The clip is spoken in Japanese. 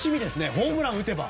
ホームランを打てば。